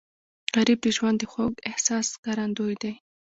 غریب د ژوند د خوږ احساس ښکارندوی دی